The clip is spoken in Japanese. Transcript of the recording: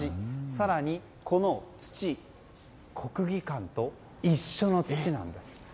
更に、この土国技館と一緒の土なんです。